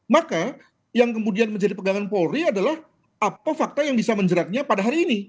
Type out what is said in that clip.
maka yang kemudian menjadi pegangan polri adalah apa fakta yang bisa menjeratnya pada hari ini